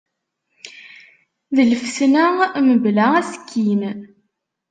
D lfetna mebla asekkin.